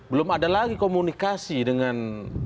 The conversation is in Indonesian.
belum ada lagi komunikasi dengan